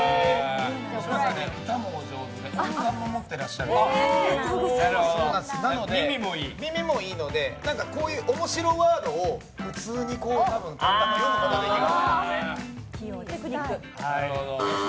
歌もお上手で音感も持ってらっしゃるので耳もいいので、こういう面白ワードを普通に読むことはできる。